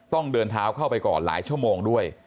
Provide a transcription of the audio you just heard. ต้องเดินเท้าเข้าไปก่อนหลายชั่วโมงด้วย